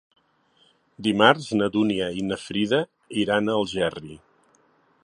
Dimarts na Dúnia i na Frida iran a Algerri.